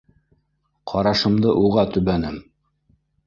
Ҡарашымды уға төбәнем.